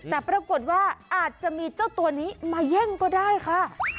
แต่ปรากฏว่าอาจจะมีเจ้าตัวนี้มาแย่งก็ได้ค่ะ